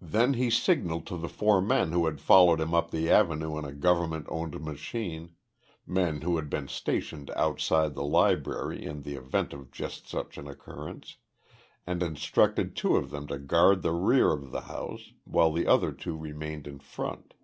Then he signaled to the four men who had followed him up the Avenue in a government owned machine men who had been stationed outside the Library in the event of just such an occurrence and instructed two of them to guard the rear of the house, while the other two remained in front.